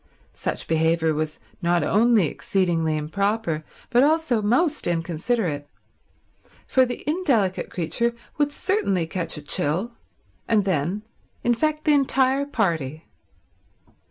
Such behaviour was not only exceedingly improper but also most inconsiderate, for the indelicate creature would certainly catch a chill, and then infect the entire party.